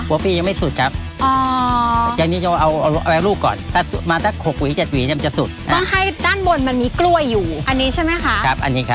โอเคอัพต้นต่อไปใช่เปล่าคะพี่ดูดีนะ